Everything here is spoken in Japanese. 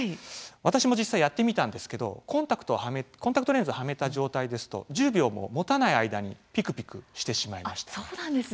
私も実際やってみたんですけどコンタクトレンズをはめた状態ですと、１０秒も持たない間に目が、ぴくぴくしてしまいました。